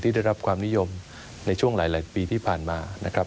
ได้รับความนิยมในช่วงหลายปีที่ผ่านมานะครับ